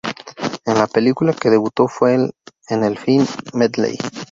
En la película que debutó fue en el film "Medley".